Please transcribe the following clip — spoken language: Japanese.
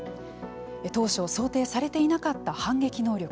当初、想定されていなかった反撃能力。